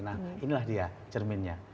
nah inilah dia cerminnya